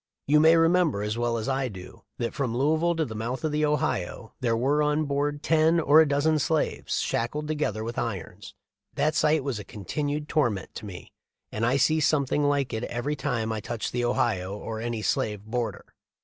You may remember, as I well do, that from Louisville to the mouth of the Ohio, there were on board ten or a dozen slaves shackled together with irons. That sight was a continued torment to me ; and I see something like it every time I touch the Ohio or any slave border.